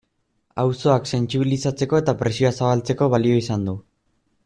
Auzoak sentsibilizatzeko eta presioa zabaltzeko balio izan du.